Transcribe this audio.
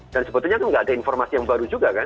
dan sebetulnya kan gak ada informasi yang baru juga kan